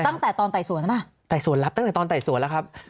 ตั้งแต่ตอนไต่สวนใช่ไหมไต่สวนรับตั้งแต่ตอนไต่สวนแล้วครับ